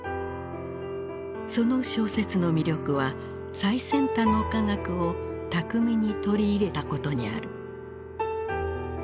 その小説の魅力は最先端の科学を巧みに取り入れたことにある。